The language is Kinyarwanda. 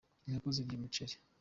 Inkoko zirya umuceri.